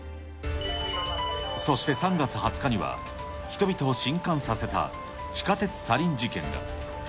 そして３月２０日には、人々をしんかんさせた地下鉄サリン事件が。